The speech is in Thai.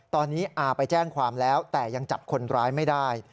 ตอนนี้อาไปแจ้งความแล้วแต่ยังจับคนร้ายไม่ได้